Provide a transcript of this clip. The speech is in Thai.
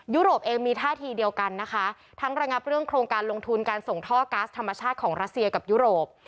โรปเองมีท่าทีเดียวกันนะคะทั้งระงับเรื่องโครงการลงทุนการส่งท่อก๊าซธรรมชาติของรัสเซียกับยุโรป